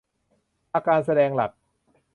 อาการแสดงหลัก